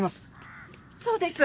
そうです。